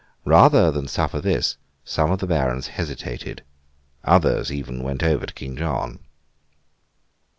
Rather than suffer this, some of the Barons hesitated: others even went over to King John.